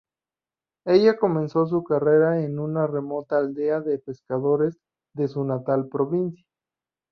Ella comenzó su carrera en una remota aldea de pescadores de su natal provincia.